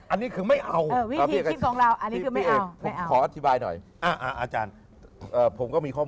อันนี้คืออันนี้คือไม่เอา